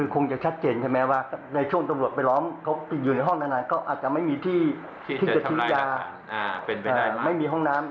คงจะชัดเจนไหมว่าในช่วงนี้มาแรงเวณต้องเจอในนั้นก็อาจจะไม่มีที่ที่จะให้ตัดซิบยา